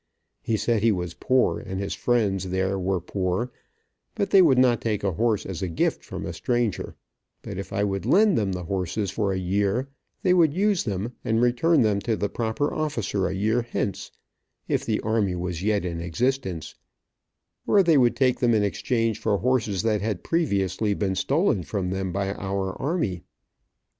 He said he was poor, and his friends there were poor, but they would not take a horse as a gift from a stranger, but if I would lend them the horses for a year, they would use them, and return them to the proper officer a year hence, if the army was yet in existence, or they would take them in exchange for horses that had previously been stolen from them by our army.